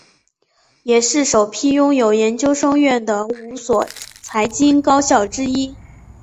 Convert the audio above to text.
也是首批拥有研究生院的五所财经高校之一。